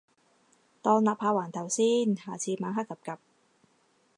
當立下環頭先，下次晚黑 𥄫𥄫